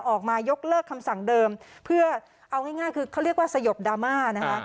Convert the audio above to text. ออกมายกเลิกคำสั่งเดิมเพื่อเอาง่ายคือเขาเรียกว่าสยบดราม่านะคะ